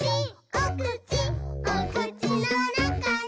おくちおくちのなかに」